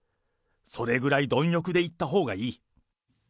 それぐらい貪欲でいったほうがいい。